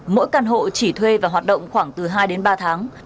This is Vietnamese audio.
mỗi căn hộ chỉ thuê và hoạt động khoảng từ hai đến ba tháng